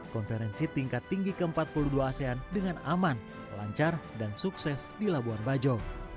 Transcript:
konferensi tingkat tinggi ke empat puluh dua asean dengan aman lancar dan sukses di labuan bajo